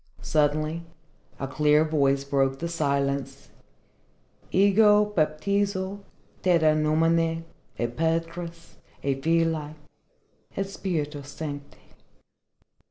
Suddenly a clear voice broke the silence. "_Ego baptizo te in nomine Patris, et Filii, et Spiritus Sancti.